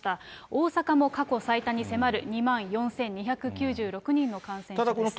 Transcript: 大阪も過去最多に迫る２万４２９６人の感染者です。